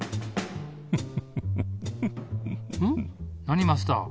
何マスター。